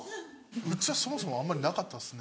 うちはそもそもあんまりなかったですね。